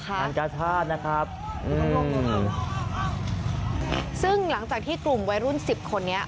มันกาชาตินะครับอืมซึ่งหลังจากที่กลุ่มวัยรุ่นสิบคนนี้